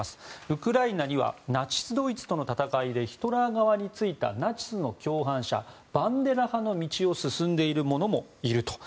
ウクライナにはナチスドイツとの戦いでヒトラー側についたナチスの共犯者バンデラ派の道を進んでいる者もいると。